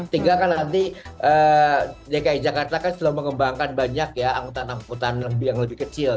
tinggalkan nanti dki jakarta kan sudah mengembangkan banyak angkutan angkutan yang lebih kecil